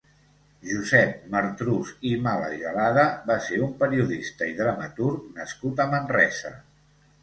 Josep Martrus i Malagelada va ser un periodista i dramaturg nascut a Manresa.